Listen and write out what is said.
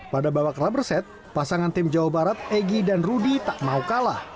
pada babak rubber set pasangan tim jawa barat egy dan rudy tak mau kalah